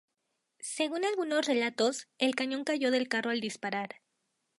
Según algunos relatos, el cañón cayó del carro al disparar.